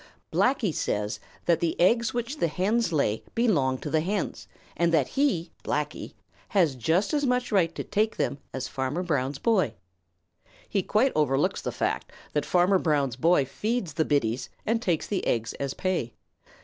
Blacky says that the eggs which the bens lay belong to the hens, and that he, Blacky has just as much right to take them as Farmer Brown's boy. He quite overlooks the fact that Farmer Brown's boy feeds the biddies and takes the eggs as pay.